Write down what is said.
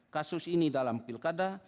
kasus ini dalam pilkada